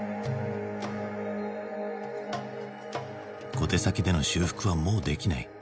小手先での修復はもうできない。